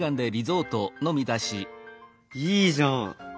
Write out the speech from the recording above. いいじゃん。